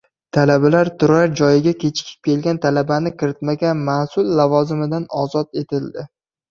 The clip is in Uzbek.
Talabalar turar joyiga kechikib kelgan talabani kiritmagan mas’ul lavozimidan ozod etildi